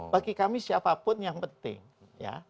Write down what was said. bagi kami siapapun yang penting ya